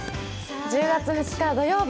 １０月２日土曜日